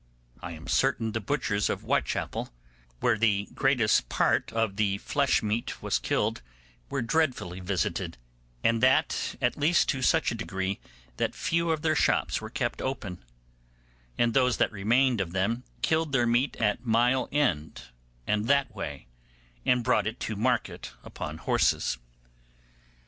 I am certain the butchers of Whitechappel, where the greatest part of the flesh meat was killed, were dreadfully visited, and that at least to such a degree that few of their shops were kept open, and those that remained of them killed their meat at Mile End and that way, and brought it to market upon horses.